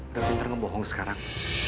udah pinter ngebohong sekarang